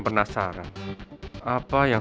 saya sudah mengambil uang